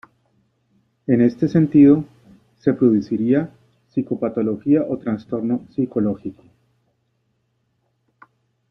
En este sentido, se produciría psicopatología o trastorno psicológico.